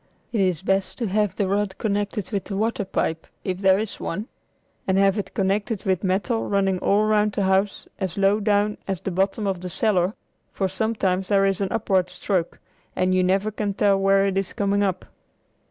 It is best to have the rod connected with the water pipe, if there is one, and have it connected with metal running all around the house as low down as the bottom of the cellar, for sometimes there is an upward stroke, and you never can tell where it is coming up.